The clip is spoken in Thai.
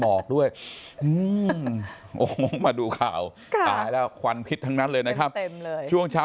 หมอกด้วยโอ้โหมาดูข่าวตายแล้วควันพิษทั้งนั้นเลยนะครับช่วงเช้า